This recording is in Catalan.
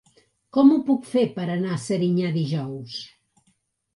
Com ho puc fer per anar a Serinyà dijous?